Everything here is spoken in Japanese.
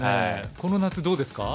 この夏どうですか？